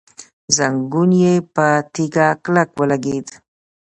زنګون يې په تيږه کلک ولګېد.